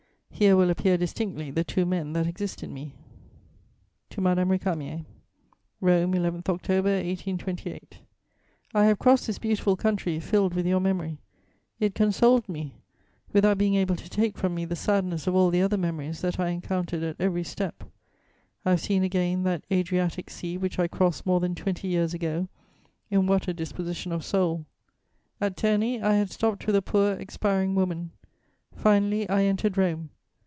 Here will appear distinctly the two men that exist in me. TO MADAME RÉCAMIER "ROME, 11 October 1828. "I have crossed this beautiful country, filled with your memory; it consoled me, without being able to take from me the sadness of all the other memories that I encountered at every step. I have seen again that Adriatic Sea which I crossed more than twenty years ago, in what a disposition of soul! At Terni, I had stopped with a poor expiring woman. Finally I entered Rome.